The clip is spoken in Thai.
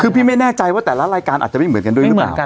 คือพี่ไม่แน่ใจว่าแต่ละรายการอาจจะไม่เหมือนกันด้วยหรือเปล่า